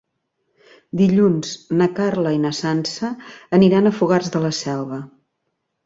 Dilluns na Carla i na Sança aniran a Fogars de la Selva.